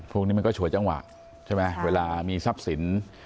พวกนี้มันก็ฉวยจังหวะใช่ไหมเวลามีทรัพย์สิน